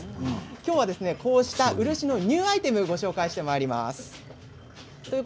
今日はこうした漆のニューアイテムをご紹介してまいります。